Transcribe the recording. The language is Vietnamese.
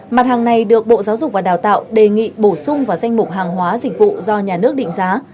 mặt hàng này được bộ giáo dục và đào tạo đề nghị bổ sung vào danh mục hàng hóa dịch vụ do nhà nước định giá